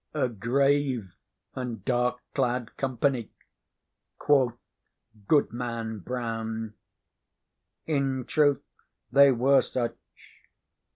"A grave and dark clad company," quoth Goodman Brown. In truth they were such.